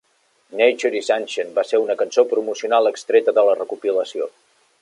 "Nature Is Ancient" va ser una cançó promocional extreta de la recopilació.